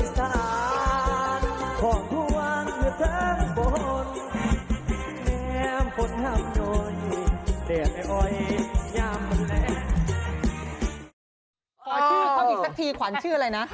ขอชื่อเขาอีกสักทีขวัญชื่ออะไรนะ